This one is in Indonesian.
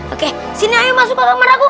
oke sini ayo masuk ke kamar aku